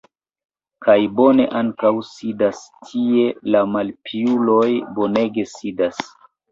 Kaj bone ankaŭ sidas tie la malpiuloj, bonege sidas!